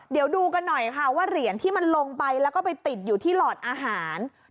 เดี๋ยวดูกันหน่อยค่ะว่าเหรียญที่มันลงไปแล้วก็ไปติดอยู่ที่หลอดอาหาร